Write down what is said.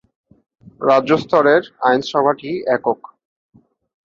রাজ্য স্তরের আইনসভা টি একক।